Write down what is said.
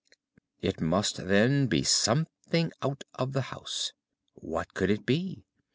It must, then, be something out of the house. What could it be?